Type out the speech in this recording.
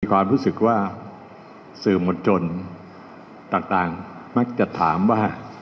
ความรู้สึกว่าสื่อมวลชนต่างมักจะถามว่า